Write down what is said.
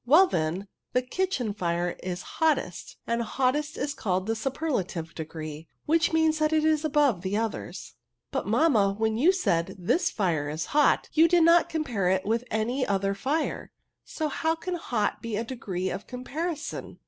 Well, then, the kitchen fire is hottest ; and hottest is called the Superlative degree ^ which means that it is above the others." ADJECTIVES. 35 '' But^ mamma, when you said, * This fire is hot/ you did not compare it with any other fire; so how can hot be a degree of comparison?'